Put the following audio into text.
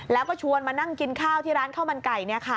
แล้วก็ชวนมานั่งกินข้าวที่ร้านข้าวมันไก่